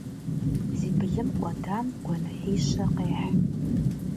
Зи былым кӏуэдам гуэныхьищэ къехь.